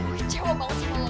gue kecewa banget sama lo alex